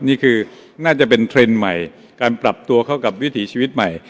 นี่คือน่าจะเป็นเทรนด์ใหม่การปรับตัวเข้ากับวิถีชีวิตใหม่